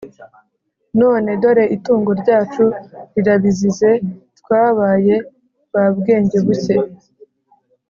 none dore itungo ryacu rirabizize. twabaye ba bwengebuke!»